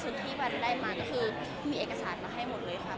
ต้องทุกอย่างตามกฎหมายนะคะคือไม่ได้มีการส่วนลอยหรืออะไร